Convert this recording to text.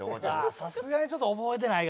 さすがにちょっと覚えてないかな。